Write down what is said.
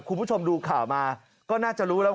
คุณผู้ชมดูข่าวมาก็น่าจะรู้แล้ว